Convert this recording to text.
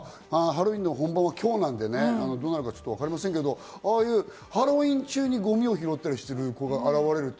ハロウィーンの本番は今日なので、どうなるかわかりませんけど、ハロウィーン中にゴミを拾ったりしてる子が現れるって。